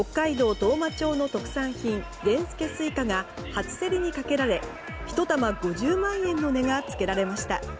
当麻町の特産品でんすけすいかが初競りにかけられ１玉５０万円の値がつけられました。